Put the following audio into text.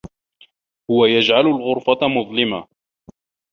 هو يجعل الغرفة مظلمة.